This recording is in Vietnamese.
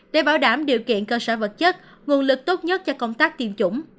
để bảo đảm điều kiện cơ sở vật chất nguồn lực tốt nhất cho công tác tiêm chủng